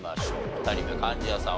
２人目貫地谷さん